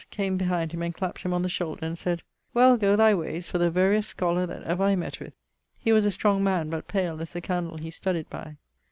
came behind him and clapt him on the shoulder and sayd 'Well, goe thy wayes for the veriest scholar that ever I mett with.' He was a strong man but pale as the candle he studyed by.